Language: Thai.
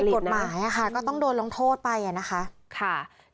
มันเป็นกฎหมายค่ะก็ต้องโดนรองโทษไปนะคะ